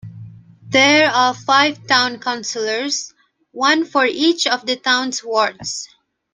There are five town councilors, one for each of the town's wards.